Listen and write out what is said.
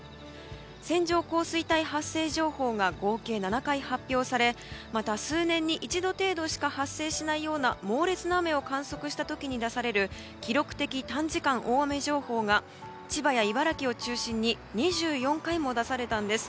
線状降水帯発生情報が合計７回発表されまた、数年に一度程度しか発生しないような猛烈な雨を観測したときに出される記録的短時間大雨情報が千葉や茨城を中心に２４回も出されたんです。